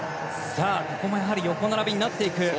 ここも横並びになっていく。